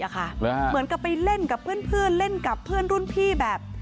เหมือนกับไปเล่นกับเพื่อนเล่นกับเพื่อนรุ่นพี่แบบ